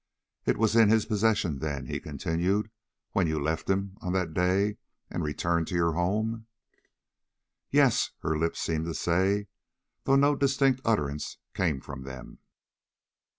"It was in his possession, then," he continued, "when you left him on that day and returned to your home?" "Yes," her lips seemed to say, though no distinct utterance came from them.